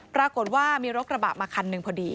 ปรากฏว่ามีรถกระบะมาคันหนึ่งพอดี